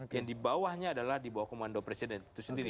yang di bawahnya adalah di bawah komando presiden itu sendiri